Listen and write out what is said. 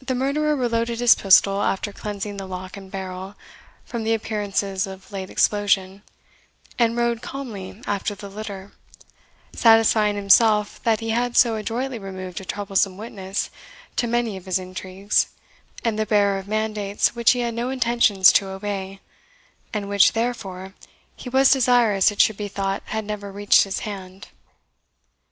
The murderer reloaded his pistol after cleansing the lock and barrel from the appearances of late explosion, and rode calmly after the litter, satisfying himself that he had so adroitly removed a troublesome witness to many of his intrigues, and the bearer of mandates which he had no intentions to obey, and which, therefore, he was desirous it should be thought had never reached his hand.